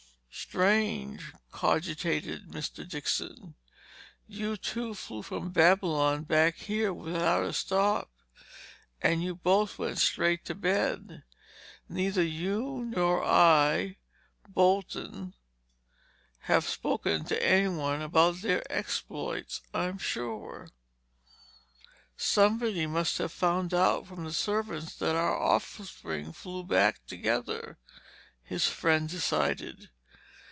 "Strange—" cogitated Mr. Dixon. "You two flew from Babylon back here without a stop—and you both went straight to bed. Neither you, nor I, Bolton, have spoken to anyone about their exploits, I'm sure." "Somebody must have found out from the servants that our offspring flew back together," his friend decided.